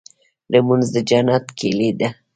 لمونځ د جنت کيلي ده.